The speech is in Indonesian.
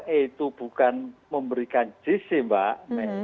ini bukan memberikan jisi mbak